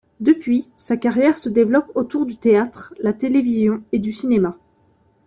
Depuis, sa carrière se développe autour du théâtre, la télévision et du cinéma.